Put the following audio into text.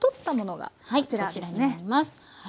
はいこちらになります。